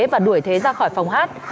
và đuổi thế ra khỏi phòng hát